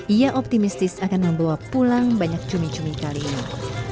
ia optimistis akan membawa pulang banyak cumi cumi kali ini